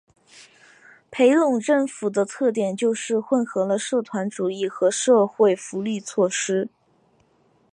裴隆政府的特点就是混合了社团主义和社会福利措施。